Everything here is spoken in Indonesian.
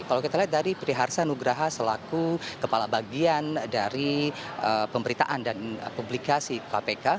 kalau kita lihat dari priharsa nugraha selaku kepala bagian dari pemberitaan dan publikasi kpk